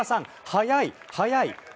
速い、速い。